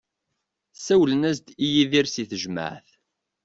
Sawlen-as-d i Yidir si tejmaɛt.